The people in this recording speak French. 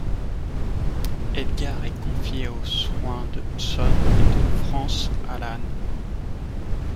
Edgar est confié aux soins de John et Frances Allan.